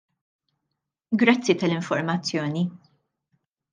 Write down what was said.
Grazzi tal-informazzjoni.